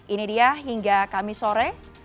ini dia hingga kamis sore